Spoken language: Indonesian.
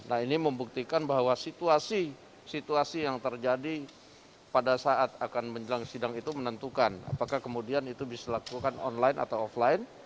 nah ini membuktikan bahwa situasi situasi yang terjadi pada saat akan menjelang sidang itu menentukan apakah kemudian itu bisa dilakukan online atau offline